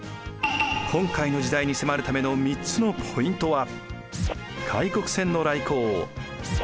今回の時代に迫るための３つのポイントは。